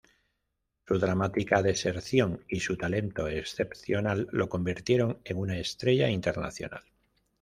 Su dramática deserción y su talento excepcional lo convirtieron en una estrella internacional.